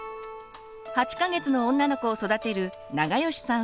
８か月の女の子を育てる永吉さん